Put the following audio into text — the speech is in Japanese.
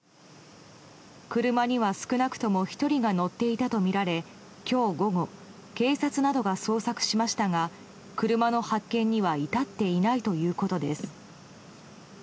車には少なくとも１人が乗っていたとみられ今日午後警察などが捜索しましたが車の発見には至っていないということです。